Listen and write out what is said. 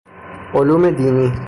علوم دینی